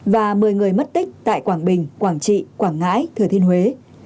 và một mươi người mất tích tại quảng bình quảng trị quảng ngãi thừa thiên huế